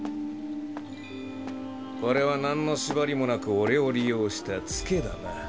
これはなんの縛りもなく俺を利用したツケだな。